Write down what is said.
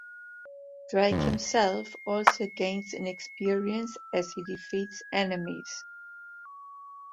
Drake himself also gains in experience as he defeats enemies.